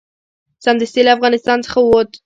سمدستي له افغانستان څخه ووت.